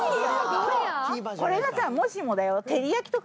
これがさもしもだよ。